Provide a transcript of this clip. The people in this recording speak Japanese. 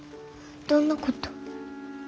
どんなこと？